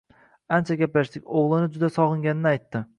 Ancha gaplashdik, o`g`lini juda sog`inganini aytdi